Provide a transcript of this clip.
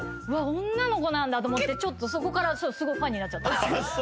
うわっ女の子なんだと思ってちょっとそこからすごいファンになっちゃった。